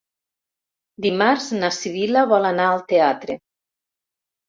Dimarts na Sibil·la vol anar al teatre.